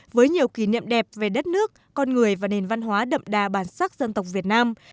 với nhiều kỷ niệm đẹp về đất nước con người và nền văn hóa đậm đà bản sắc dân tộc việt nam